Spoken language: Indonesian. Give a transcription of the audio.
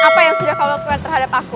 apa yang sudah kau lakukan terhadap aku